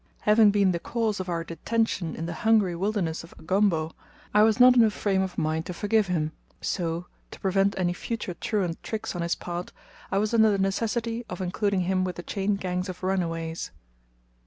Having been the cause of our detention in the hungry wilderness of Ugombo, I was not in a frame of mind to forgive him; so, to prevent any future truant tricks on his part, I was under the necessity of including him with the chained gangs of runaways.